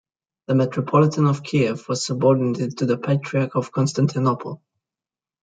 The metropolitan of Kiev was subordinated to the Patriarch of Constantinople.